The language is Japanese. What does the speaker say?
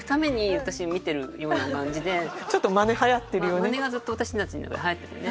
まねがずっと私たちの中で流行っててね。